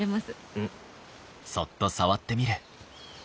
うん。